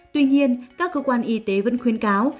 tuy nhiên các cơ quan y tế vẫn khuyến cáo